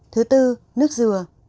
thứ tư nước dừa